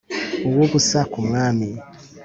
Uw ubusa ku mwami